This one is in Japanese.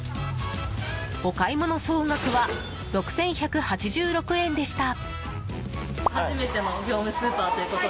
お買い物総額は６１８６円でした。